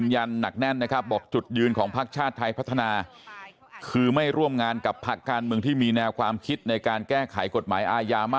วันนี้ยังไม่ได้ถึงจุดนั้นก็เลยยังไม่อยากจะตีตนไปก่อนไข้นะครับ